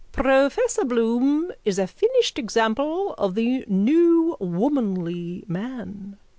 _ Professor Bloom is a finished example of the new womanly man.